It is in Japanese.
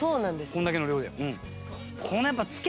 これだけの量で。